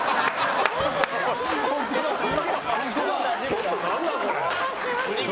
ちょっと何なのこれ。